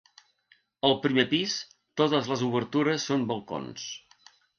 Al primer pis totes les obertures són balcons.